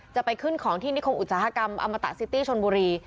จะไปขึ้นของที่นิคมอุตสาหกรรมอมตะซิตี้ชนบุรี